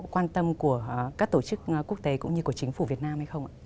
quan tâm của các tổ chức quốc tế cũng như của chính phủ việt nam hay không ạ